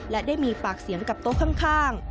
และได้มีปากเสียงกับโต๊ะข้าง